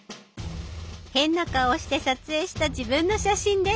変な顔をして撮影した自分の写真です。